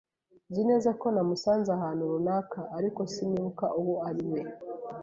Nzi neza ko namusanze ahantu runaka, ariko sinibuka uwo ari we.